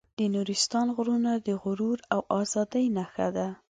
د نورستان غرونه د غرور او ازادۍ نښه ده.